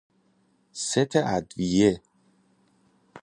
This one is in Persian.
ست ادویه